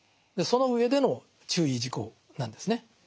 その上での注意事項なんですね。